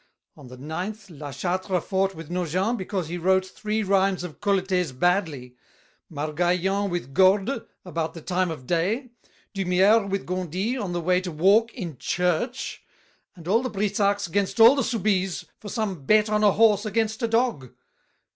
On the ninth, Lachâtre fought with Nogent because he wrote Three rhymes of Colletet's badly; Margaillan With Gorde, about the time of day; D'Humière With Gondi on the way to walk in church; And all the Brissacs 'gainst all the Soubises For some bet on a horse against a dog.